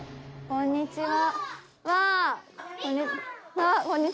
こんにちは。